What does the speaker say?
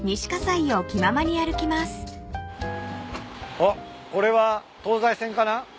あっこれは東西線かな？